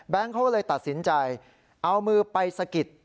เขาก็เลยตัดสินใจเอามือไปสะกิด